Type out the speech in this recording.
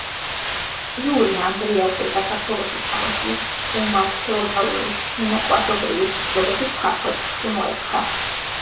იური ანდრიას ძე საქართველოში ჩამოსვლის უმალ ფეოდალური შინაკლასობრივი ბრძოლების ქარცეცხლში მოექცა.